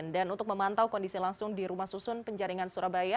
dan untuk memantau kondisi langsung di rumah susun penjaringan surabaya